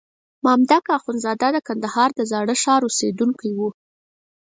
مامدک اخندزاده د کندهار د زاړه ښار اوسېدونکی وو.